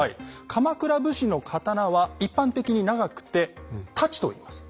鎌倉武士の刀は一般的に長くて「太刀」と言います。